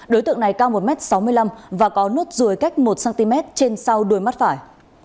đối tượng này cao một m sáu mươi năm và có nốt ruồi cách một cm trên sau đuôi mắt phải